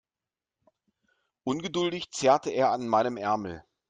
Ungeduldig zerrte er an meinem Ärmel.